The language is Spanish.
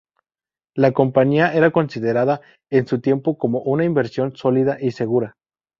La Compañía era considerada en su tiempo como una inversión sólida y segura.